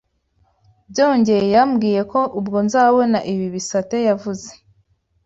Byongeye yambwiye ko ubwo nzabona ibi bisate yavuze